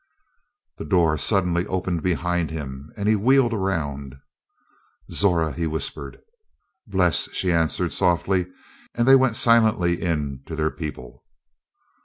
The door suddenly opened behind him and he wheeled around. "Zora!" he whispered. "Bles," she answered softly, and they went silently in to their people.